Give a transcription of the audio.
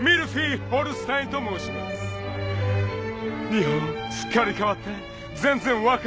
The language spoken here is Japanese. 日本すっかり変わって全然分からない。